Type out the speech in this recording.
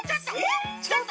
ちょっと！